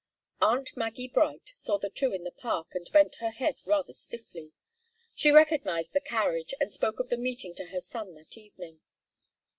Aunt Maggie Bright saw the two in the Park and bent her head rather stiffly. She recognized the carriage and spoke of the meeting to her son that evening.